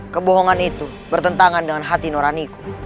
kebohongan itu bertentangan dengan hati nuraniku